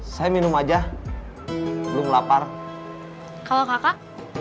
kamu juga selamat jualan